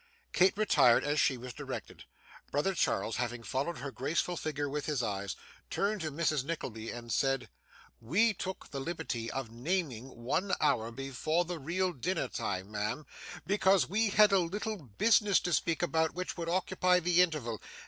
Kate retired as she was directed. Brother Charles, having followed her graceful figure with his eyes, turned to Mrs. Nickleby, and said: 'We took the liberty of naming one hour before the real dinner time, ma'am, because we had a little business to speak about, which would occupy the interval.